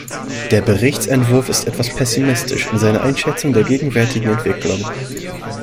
Der Berichtsentwurf ist etwas pessimistisch in seiner Einschätzung der gegenwärtigen Entwicklung.